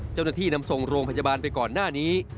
เจ้าหน้าที่นำส่งโรงพยาบาลไปก่อนหน้านี้